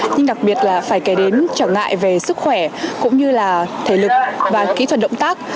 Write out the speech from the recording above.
nhưng đặc biệt là phải kể đến trở ngại về sức khỏe cũng như là thể lực và kỹ thuật động tác